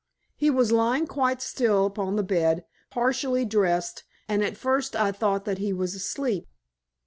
He was lying quite still upon the bed, partially dressed, and at first I thought that he was asleep.